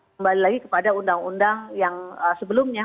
kembali lagi kepada undang undang yang sebelumnya